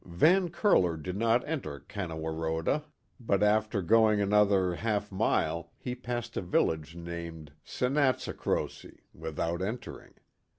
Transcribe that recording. ] Van Curler did not enter Canowaroda, but after going an other half mile he passed a village named Senatsycrosy, with out entering.